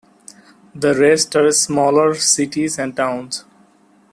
The rest are smaller cities and towns.